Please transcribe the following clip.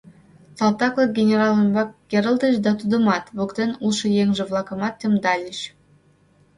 Салтак-влак генерал ӱмбак керылтыч да тудымат, воктен улшо еҥже-влакымат темдальыч.